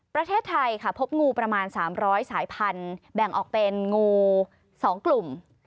ประเทศไทยค่ะพบงูประมาณ๓๐๐สายพันธุ์แบ่งออกเป็นงู๒กลุ่ม